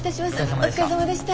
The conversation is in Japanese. お疲れさまでした。